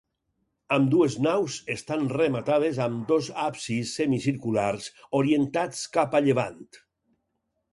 Ambdues naus estan rematades amb dos absis semicirculars, orientats cap a llevant.